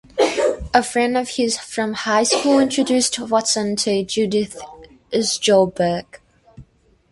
A friend of his from high school introduced Watson to Judith Sjoberg.